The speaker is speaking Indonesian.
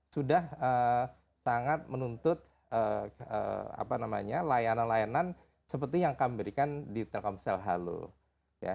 sudah sangat menuntut layanan layanan seperti yang kami berikan dalam hal ini